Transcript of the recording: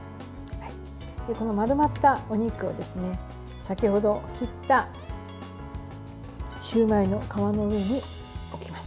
丸まったお肉を先程切ったシューマイの皮の上に置きます。